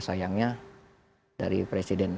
sayangnya dari presiden